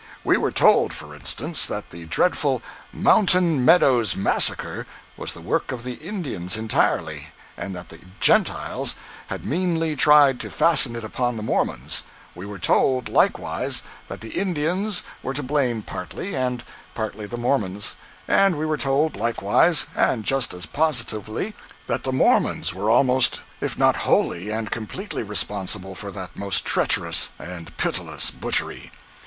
We were told, for instance, that the dreadful "Mountain Meadows Massacre" was the work of the Indians entirely, and that the Gentiles had meanly tried to fasten it upon the Mormons; we were told, likewise, that the Indians were to blame, partly, and partly the Mormons; and we were told, likewise, and just as positively, that the Mormons were almost if not wholly and completely responsible for that most treacherous and pitiless butchery.